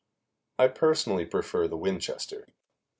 I personally prefer the Winchester.